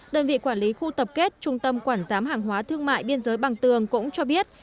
đơn vị quản lý khu tập kết trung tâm quản giám hàng hóa thương mại biên giới bằng tường cũng cho biết